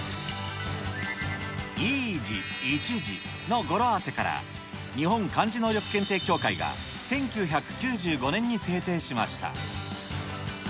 いい字いち字の語呂合わせから、日本漢字能力検定協会が、１９９５年に制定しました。